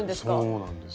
そうなんです。